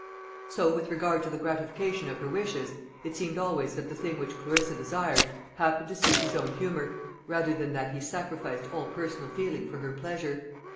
So, with regard to the gratification of her wishes, it seemed always that the thing which Clarissa desired, happened to suit his own humour, rather than that he sacrificed all personal feeling for her pleasure.